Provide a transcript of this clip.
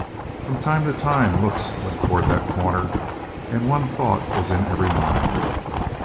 From time to time looks went toward that corner, and one thought was in every mind.